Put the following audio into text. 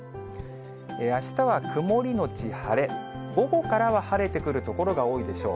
あしたは曇り後晴れ、午後からは晴れてくる所が多いでしょう。